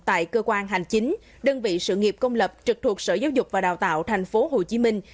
tại cơ quan hành chính đơn vị sự nghiệp công lập trực thuộc sở giáo dục và đào tạo thành phố hồ chí minh